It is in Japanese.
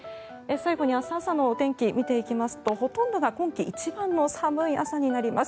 最後に明日朝のお天気見ていきますとほとんどが今季一番の寒い朝になります。